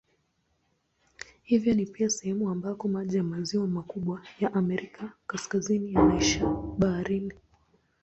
Hivyo ni pia sehemu ambako maji ya maziwa makubwa ya Amerika Kaskazini yanaishia baharini.